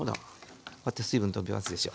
こうやって水分とびますでしょ。